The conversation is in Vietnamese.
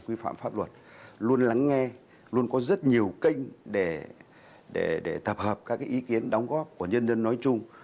quy phạm pháp luật luôn lắng nghe luôn có rất nhiều kênh để tập hợp các ý kiến đóng góp của nhân dân nói chung